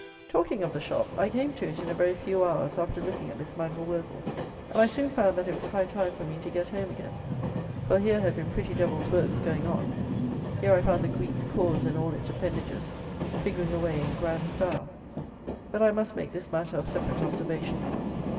Talking of the shop, I came to it in a very few hours after looking at this mangel wurzel; and I soon found that it was high time for me to get home again; for here had been pretty devils' works going on. Here I found the "Greek cause," and all its appendages, figuring away in grand style. But I must make this matter of separate observation.